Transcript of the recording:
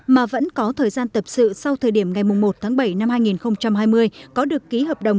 mà vẫn có thời gian tập sự sau thời điểm ngày một tháng bảy năm hai nghìn hai mươi có được ký hợp đồng